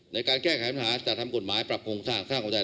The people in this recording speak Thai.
ในการแก้ไขปัญหาจะทำกฎหมายปรับโครงสร้างข้างของประเทศ